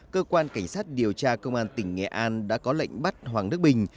cơ quan cảnh sát điều tra công an tỉnh nghệ an đã có lệnh bắt hoàng đức bình